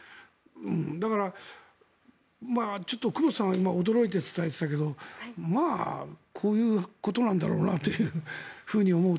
だから、久保田さんは今驚いて伝えていたけれどまあ、こういうことなんだろうなというふうに思う。